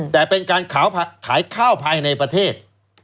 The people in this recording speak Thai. แต่เป็นการขายข้าวภายในประเทศ